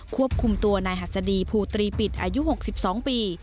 ควบคุมตัวนายหัสดีภูตรีปิดอายุ๖๒ปี